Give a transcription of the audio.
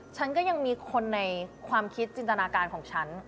ฉันก็ยังมีคนในความคิดจินตนาการของฉัน